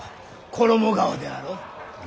衣川であろう。